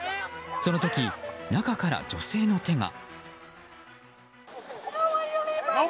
その時、中から女性の手が。